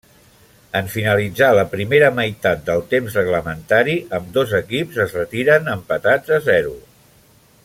En finalitzar la primera meitat del temps reglamentari, ambdós equips es retiren empatats a zero.